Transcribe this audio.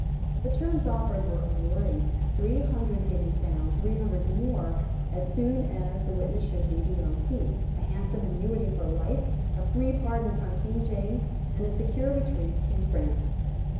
The terms offered were alluring; three hundred guineas down, three hundred more as soon as the witness should be beyond sea, a handsome annuity for life, a free pardon from King James, and a secure retreat in France.